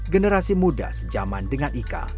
generasi muda sejaman dengan ika